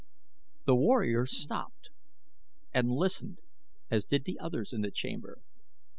The warriors stopped and listened as did the others in the chamber.